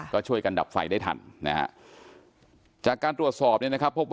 ก็ช่วยกันดับไฟได้ทันนะฮะจากการตรวจสอบเนี่ยนะครับ